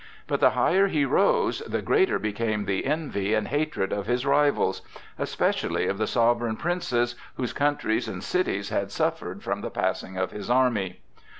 But the higher he rose, the greater became the envy and hatred of his rivals, especially of the sovereign princes whose countries and cities had suffered from the passing of his army.